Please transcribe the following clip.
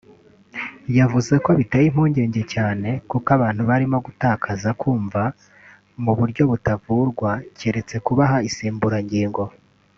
yavuze ko biteye impungenge cyane kuko abantu barimo gutakaza kumva mu buryo butavurwa keretse kubaha insimburangingo